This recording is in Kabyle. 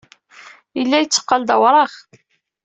Yella yetteqqal d awraɣ.